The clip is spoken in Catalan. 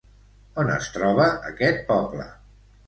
On es troba aquest poble?